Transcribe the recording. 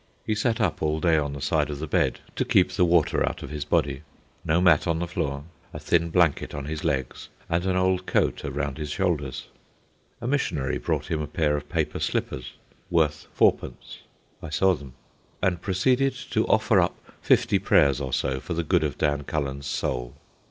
He sat up all day on the side of the bed (to keep the water out of his body), no mat on the floor, a thin blanket on his legs, and an old coat around his shoulders. A missionary brought him a pair of paper slippers, worth fourpence (I saw them), and proceeded to offer up fifty prayers or so for the good of Dan Cullen's soul.